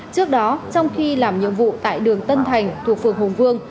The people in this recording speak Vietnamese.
trước đó trong khi làm nhiệm vụ tại đường tân thành thuộc phường hùng vương